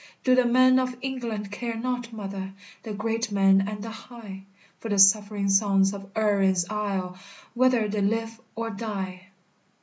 Do the men of England care not, mother, The great men and the high, For the suffering sons of Erin's isle, Whether they live or die?